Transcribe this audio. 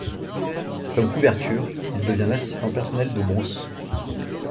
Comme couverture, il devient l'assistant personnel de Bruce.